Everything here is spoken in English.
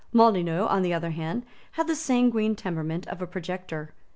Molyneux, on the other hand, had the sanguine temperament of a projector.